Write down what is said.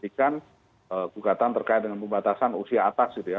memberikan gugatan terkait dengan pembatasan usia atas gitu ya